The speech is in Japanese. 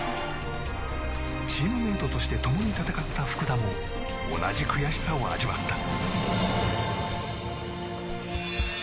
チームメートとして共に戦った福田も同じ悔しさを味わった。